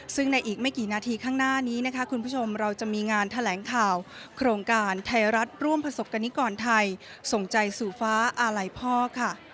ซึ่งในอีกไม่กี่นาทีข้างหน้านี้นะคะคุณผู้ชมเราจะมีงานแถลงข่าวโครงการไทยรัฐร่วมประสบกรณิกรไทยส่งใจสู่ฟ้าอาลัยพ่อค่ะ